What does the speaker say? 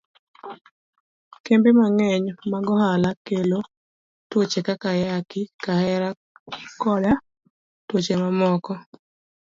Kembe mang'eny mag ohala kelo tuoche kaka ayaki, kahera, koda tuoche mamoko.